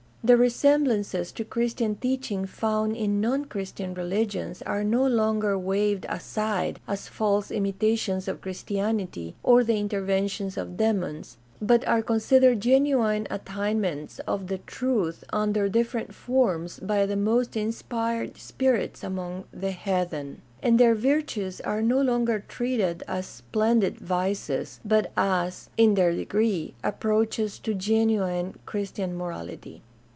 The resemblances to Christian teaching found in non Christian religions are no longer waved aside as false imita tions of Christianity or the inventions of demons, but are considered genuine attainments of the truth under different forms by the most inspired spirits among the heathen. And their virtues are no longer treated as "splendid vices," but as, in their degree, approaches to genuine Christian morality.